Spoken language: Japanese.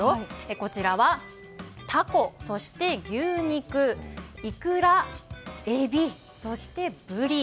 こちらはタコ、牛肉イクラ、エビそしてブリ。